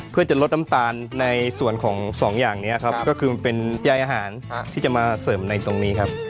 เพื่อจะลดน้ำตาลในส่วนของสองอย่างนี้ครับก็คือเป็นยายอาหารที่จะมาเสริมในตรงนี้ครับ